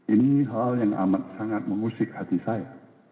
ini hal yang amat sangat mengusik hati saya